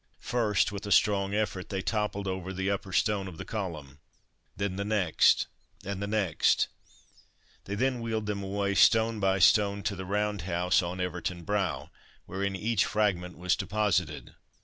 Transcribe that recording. First, with a strong effort, they toppled over the upper stone of the column; then the next, and the next. They then wheeled them away, stone by stone, to the Round House on Everton brow, wherein each fragment was deposited.